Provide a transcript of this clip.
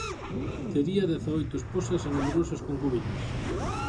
Tería dezaoito esposas e numerosas concubinas.